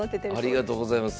ありがとうございます。